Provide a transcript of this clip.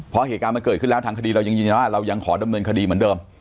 เพราะเหตุการณ์มันเกิดขึ้นแล้วทางคดีเรายังยืนยันว่าเรายังขอดำเนินคดีเหมือนเดิม